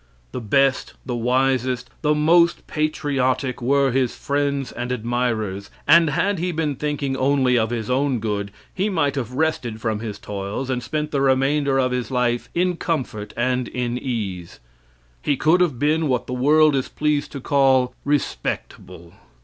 The best, the wisest, the most patriotic were his friends and admirers; and had he been thinking only of his own good he might have rested from his toils and spent the remainder of his life in comfort and in ease. He could have been what the world is pleased to call "respectable."